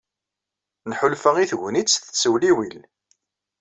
Nḥulfa i tegnit tettewliwil.